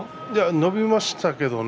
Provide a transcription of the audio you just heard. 伸びましたけどね